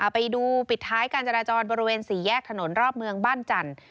ไปดูปิดท้ายการจราจรบริเวณสี่แยกถนนรอบเมืองบ้านจันทร์